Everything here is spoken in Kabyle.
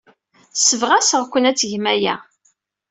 Ssebɣaseɣ-ken ad tgem aya.